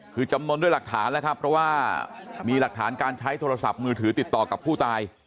คือจำนวนด้วยหลักฐานแล้วครับเพราะว่ามีหลักฐานการใช้โทรศัพท์มือถือติดต่อกับผู้ตาย